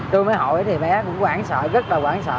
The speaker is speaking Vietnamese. tôi mới hỏi thì bé cũng quảng sợi rất là quảng sợ